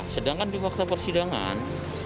sedangkan di waktu persidangan